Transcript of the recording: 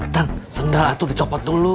tang sendal itu dicopot dulu